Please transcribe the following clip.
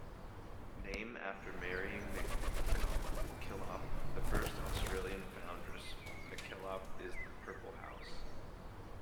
Name After Mary MacKillop first Australian foundress, MacKillop is the purple house.